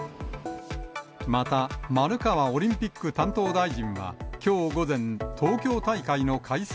また、丸川オリンピック担当大臣は、きょう午前、東京大会の開催